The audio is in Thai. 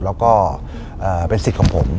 แล้วก็เป็นสิทธิ์ของผม